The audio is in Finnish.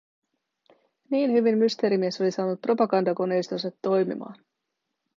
Niin hyvin Mysteerimies oli saanut propagandakoneistonsa toimimaan.